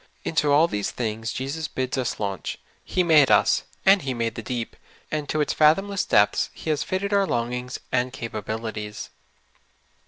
Into all these things Jesus bids us launch. He made us, and He made the deep, and to its fath omless depths He has fitted our longings and capabil ities.